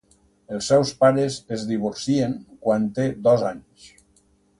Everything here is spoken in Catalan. Els seus pares es divorcien quan té dos anys.